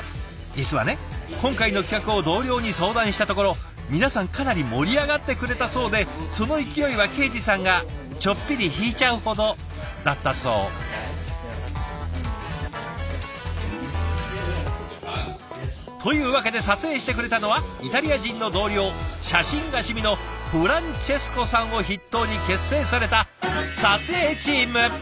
実はね今回の企画を同僚に相談したところ皆さんかなり盛り上がってくれたそうでその勢いは恵司さんがちょっぴり引いちゃうほどだったそう。というわけで撮影してくれたのはイタリア人の同僚写真が趣味のフランチェスコさんを筆頭に結成された撮影チーム！